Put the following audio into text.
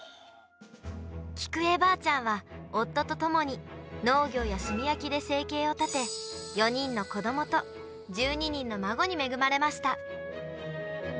菊恵ばあちゃんは、夫と共に農業や炭焼きで生計を立て、４人の子どもと、１２人の孫に恵まれました。